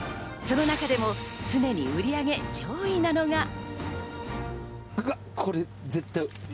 その中でも常に売り上げ上位なのが。